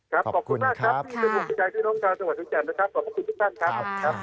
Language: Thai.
ก็ขอบคุณมากครับ